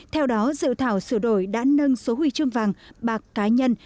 theo đó dự thảo sửa đổi đã nâng số huy chương vàng bạc cá nhân